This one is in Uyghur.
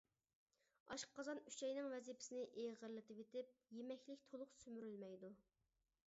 ئاشقازان ئۈچەينىڭ ۋەزىپىسىنى ئېغىرلىتىۋېتىپ، يېمەكلىك تولۇق سۈمۈرۈلمەيدۇ.